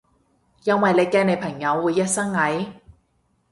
因為你驚你朋友會一身蟻？